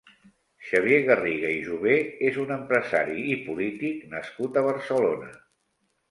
Xavier Garriga i Jové és un empresari i polític nascut a Barcelona.